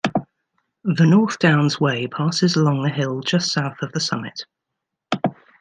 The North Downs Way passes along the hill just south of the summit.